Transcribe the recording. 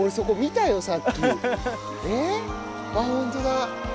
あっ本当だ。